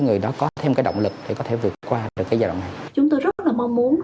người đó có thêm cái động lực để có thể vượt qua được cái giai đoạn này chúng tôi rất là mong muốn